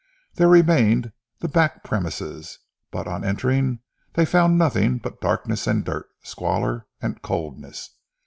There remained the back premises, but on entering, they found nothing but darkness and dirt, squalor and coldness.